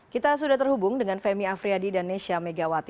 kita sudah terhubung dengan femi afriyadi dan nesya megawati